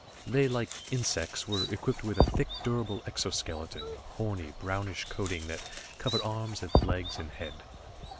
They, like insects, were equipped with a thick, durable exoskeleton, horny, brownish coating that covered arms and legs and head.